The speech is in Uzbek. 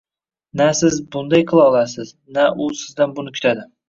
Na siz bunday qila olasiz, na u sizdan buni kutadi.